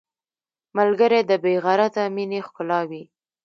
ملګری د بې غرضه مینې ښکلا وي